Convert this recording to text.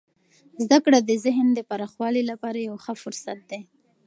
زده کړه د ذهن د پراخوالي لپاره یو ښه فرصت دی.